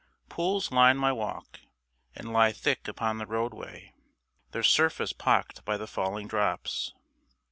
Pools line my walk, and lie thick upon the roadway, their surface pocked by the falling drops.